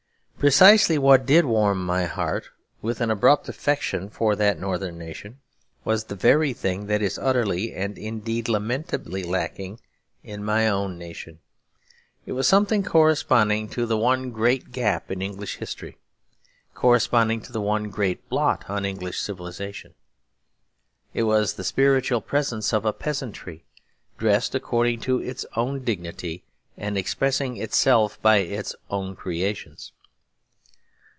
Precisely what did warm my heart with an abrupt affection for that northern nation was the very thing that is utterly and indeed lamentably lacking in my own nation. It was something corresponding to the one great gap in English history, corresponding to the one great blot on English civilisation. It was the spiritual presence of a peasantry, dressed according to its own dignity, and expressing itself by its own creations.